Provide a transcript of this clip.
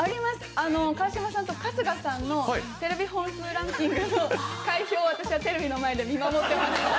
川島さんと、春日さんのテレビ本数ランキングの開票を私はテレビの前で見守っていました。